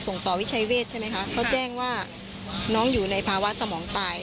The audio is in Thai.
สิ่งที่ติดใจก็คือหลังเกิดเหตุทางคลินิกไม่ยอมออกมาชี้แจงอะไรทั้งสิ้นเกี่ยวกับความกระจ่างในครั้งนี้